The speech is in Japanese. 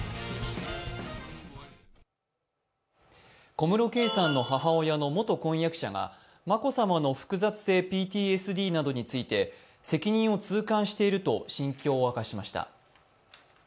小室圭さんの母親の元婚約者が眞子さまの複雑性ＰＴＳＤなどについて責任を痛感していると心境を明かしました。